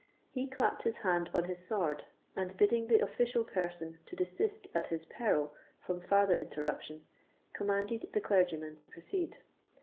He clapped his hand on his sword, and bidding the official person to desist at his peril from farther interruption, commanded the clergyman to proceed.